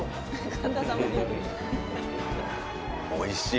おいしい！